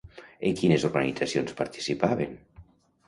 En quines organitzacions participaven?